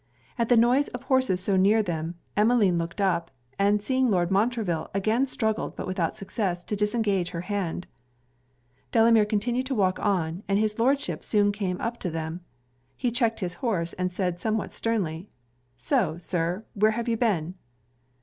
At the noise of horses so near them, Emmeline looked up, and seeing Lord Montreville, again struggled, but without success, to disengage her hand. Delamere continued to walk on, and his Lordship soon came up to them. He checked his horse, and said, somewhat sternly, 'So, Sir, where have you been?'